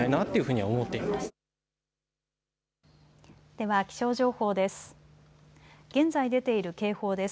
では気象情報です。